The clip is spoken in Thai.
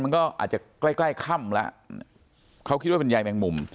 มันก็อาจจะใกล้ใกล้ค่ำแล้วเขาคิดว่าเป็นยายแมงมุม